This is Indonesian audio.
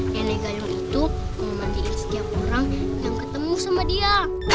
nenek gayung itu memandikan setiap orang yang ketemu sama dia